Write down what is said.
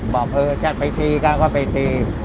บอกเออจะไปตีก็ไปตี